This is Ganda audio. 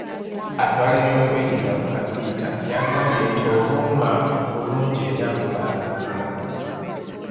Atwala ebyokwerinda mu Kacita, yagambye nti obuuma bulungi era busaana kugula.